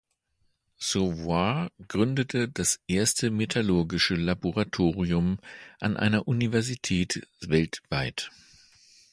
Sauveur gründete das erste metallurgische Laboratorium an einer Universität weltweit.